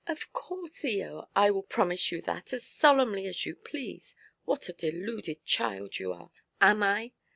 "Of course, Eoa, I will promise you that, as solemnly as you please. What a deluded child you are!" "Am I?